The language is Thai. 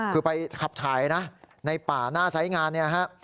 คือไปขับถ่ายนะในป่าหน้าใส่งานนี้ครับ